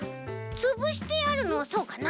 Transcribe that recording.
つぶしてあるのそうかな？